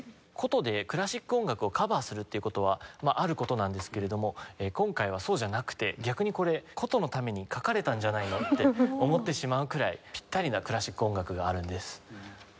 箏でクラシック音楽をカバーするっていう事はまあある事なんですけれども今回はそうじゃなくて逆にこれ箏のために書かれたんじゃないの？って思ってしまうくらいピッタリなクラシック音楽があるんです。